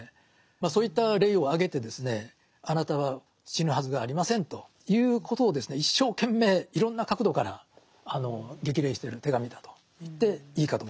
そういった例を挙げてですねあなたは死ぬはずがありませんということをですね一生懸命いろんな角度から激励してる手紙だと言っていいかと思いますね。